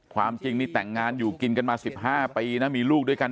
ความจริงนี่แต่งงานอยู่กินกันมา๑๕ปีนะมีลูกด้วยกัน